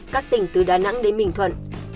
các tỉnh từ đà nẵng đến bình thuận